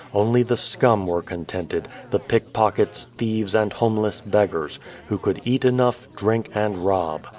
Only the scum were contented, the pickpockets, thieves, and home less beggars, who could eat enough, drink and rob.